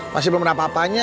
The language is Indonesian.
masih belum ada apa apanya